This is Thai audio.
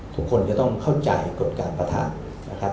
ทุกคนจะต้องเข้าใจกฎการประทะนะครับ